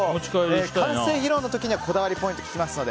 完成披露の時にはこだわりポイントを聞きますので